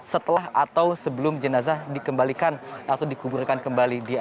setelah atau sebelum jenazah dikembalikan atau dikuburkan kembali